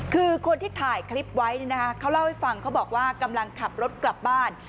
คือคนที่ถ่ายคลิปไว้เขาเล่าให้ฟังเขาบอกว่ากำลังขับรถกลับบ้าน